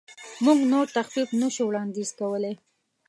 موږ نور تخفیف نشو وړاندیز کولی.